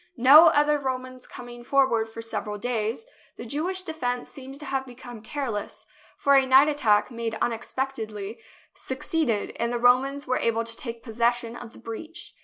No other Romans coming forward for several days, the Jewish defence seems to have become careless, for a night attack, made unexpectedly, succeeded, and the Romans were able to take possession of the breach.